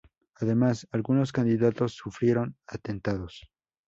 Además, algunos candidatos sufrieron atentados.